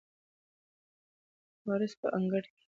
وارث په انګړ کې له غولکې سره منډې وهلې.